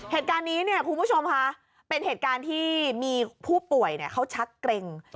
เหตุการณ์นี้เนี่ยคุณผู้ชมค่ะเป็นเหตุการณ์ที่มีผู้ป่วยเขาชักเกร็ง